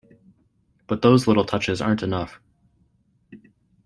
But those little touches aren't enough.